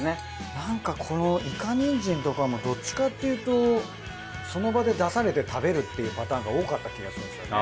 なんかこのいかにんじんとかもどっちかっていうとその場で出されて食べるっていうパターンが多かった気がするんですよね。